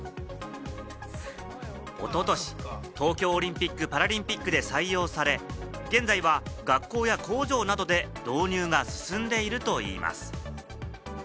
おととし、東京オリンピック・パラリンピックで採用され、現在は学校や工場などで導入が進んでいるといいます。